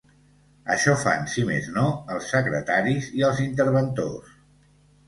Això fan, si més no, els secretaris i els interventors.